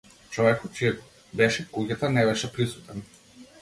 Човекот чија беше куќата не беше присутен.